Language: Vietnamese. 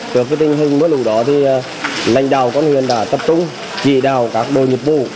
trước tình hình mưa lũ đó thì lãnh đạo con huyện đã tập trung chỉ đào các đội nghiệp vụ